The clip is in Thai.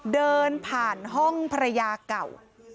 เดินผ่านห้องภรรยาเก่า